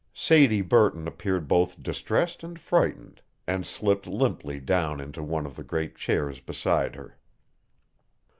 Sadie Burton appeared both distressed and frightened and slipped limply down into one of the great chairs beside her.